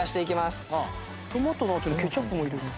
トマトのあとにケチャップも入れる。